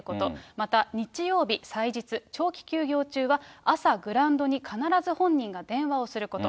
また日曜日、祭日、長期休業中は朝、グランドに必ず本人が電話をすること。